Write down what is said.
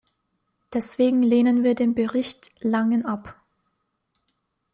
Deswegen lehnen wir den Bericht Langen ab.